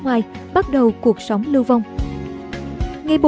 ngoài bắt đầu cuộc sống lưu vong ngày bốn